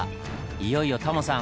いよいよタモさん